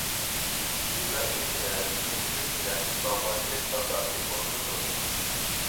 يېزا ئىگىلىكىدە ئۈزۈمچىلىك بىلەن باغۋەنچىلىك ئاساسىي ئورۇندا تۇرىدۇ.